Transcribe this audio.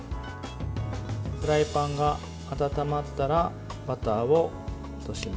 フライパンが温まったらバターを落とします。